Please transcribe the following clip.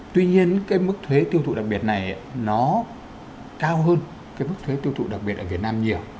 tuy nhiên cái mức thuế tiêu thụ đặc biệt này nó cao hơn cái mức thuế tiêu thụ đặc biệt ở việt nam nhiều